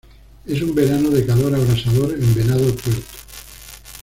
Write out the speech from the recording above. Es un verano de calor abrasador en Venado Tuerto.